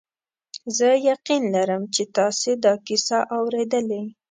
زه یقین لرم چې تاسي دا کیسه اورېدلې.